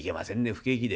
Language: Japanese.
不景気で」。